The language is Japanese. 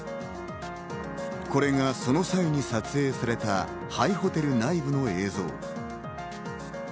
これがその際に撮影された、廃ホテル内部の映像。